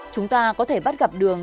chúng ta có thể bắt gặp đường